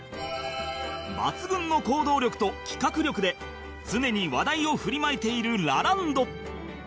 抜群の行動力と企画力で常に話題を振りまいているラランド